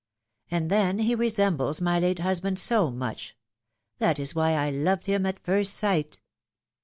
And then he resembles my late husband so much. That is why I loved him at first sight!